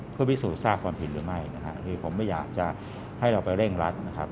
เพื่อพิสูจนทราบความผิดหรือไม่นะฮะคือผมไม่อยากจะให้เราไปเร่งรัดนะครับ